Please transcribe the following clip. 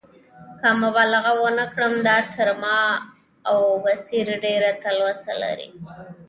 که مبالغه ونه کړم، دا تر ما او بصیر ډېره تلوسه لري.